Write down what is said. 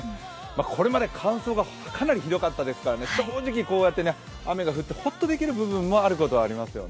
これまで乾燥がかなりひどかったですから、正直、雨が降ってほっとできる部分もありますね。